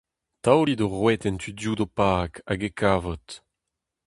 Taolit ho roued en tu dehou d’ho pag hag e kavot.